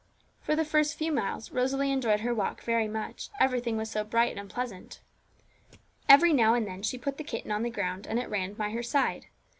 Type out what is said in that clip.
For the first few miles Rosalie enjoyed her walk very much, everything was so bright and pleasant. Every now and then she put the kitten on the ground, and it ran by her side.